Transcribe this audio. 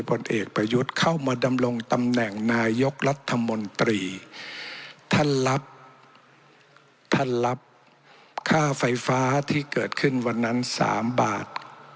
ผลเอกประยุทธ์เข้ามาดำรงตำแหน่งนายกรัฐมนตรีท่านรับท่านรับค่าไฟฟ้าที่เกิดขึ้นวันนั้นสามบาท